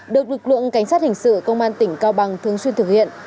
được lực lượng cảnh sát hình sự công an tỉnh cao bằng thường xuyên thực hiện